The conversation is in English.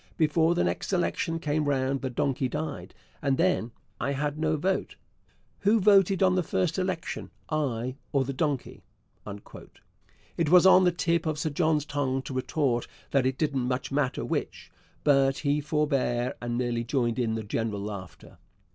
Before the next election came round the donkey died, and then I had no vote.... Who voted on the first election, I or the donkey?' It was on the tip of Sir John's tongue to retort that it didn't much matter which, but he forbore, and merely joined in the general laughter.